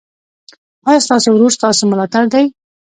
ایا ستاسو ورور ستاسو ملاتړ دی؟